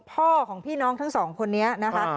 พ่อของพี่น้องทั้งสองคนนี้นะคะ